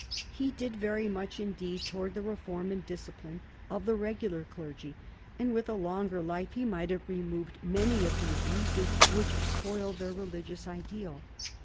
He did very much, indeed, towards the reform and discipline of the regular clergy, and with a longer life he might have removed many of the abuses which spoiled their religious ideal.